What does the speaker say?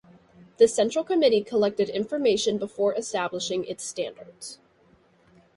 The Central Committee collected information before establishing its standards.